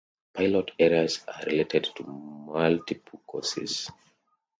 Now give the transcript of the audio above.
Pilot errors are related to multiple causes.